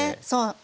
そう。